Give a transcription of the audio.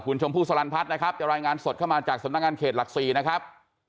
คุณชมพู่สลันพัฒน์นะครับจะรายงานสดเข้ามาจากสำนักงานเขตหลัก๔นะครับ